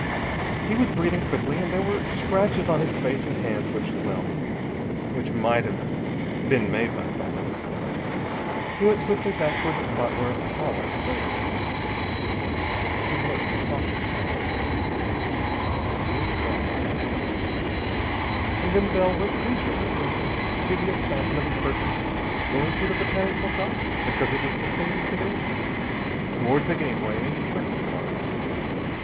He was breathing quickly, and there were scratches on his face and hands which well, which might have been made by thorns. He went swiftly back toward the spot where Paula had waited. He looked cautiously. She was gone. And then Bell went leisurely, in the studious fashion of a person going through the Botanical Gardens because it was the thing to do, toward the gateway and the surface cars.